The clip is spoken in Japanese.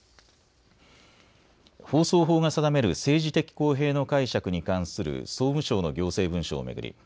放送法が定める政治的公平の解釈に関する総務省の行政文書を巡り